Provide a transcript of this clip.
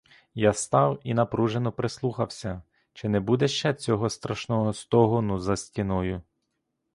Я став і напружено прислухався, чи не буде ще цього страшного стогону за стіною.